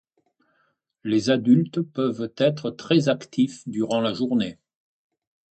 Les adultes peuvent être très actifs durant la journée.